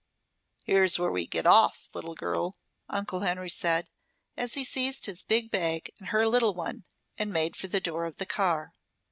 "Here's where we get off, little girl," Uncle Henry said, as he seized his big bag and her little one and made for the door of the car.